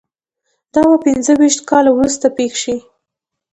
دا به پنځه ویشت کاله وروسته پېښ شي